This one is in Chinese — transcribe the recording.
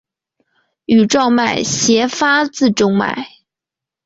羽状脉斜发自中脉。